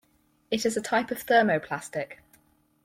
It is a type of thermoplastic.